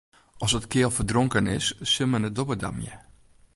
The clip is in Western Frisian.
As it keal ferdronken is, sil men de dobbe damje.